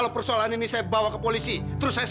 loh apa ada gitu win